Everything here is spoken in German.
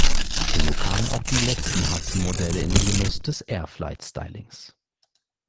So kamen auch die letzten Hudson-Modelle in den Genuss des Airflyte-Stylings.